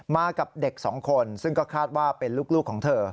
กับเด็กสองคนซึ่งก็คาดว่าเป็นลูกของเธอ